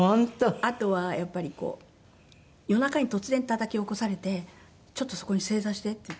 あとはやっぱりこう夜中に突然たたき起こされて「ちょっとそこに正座して」って言って。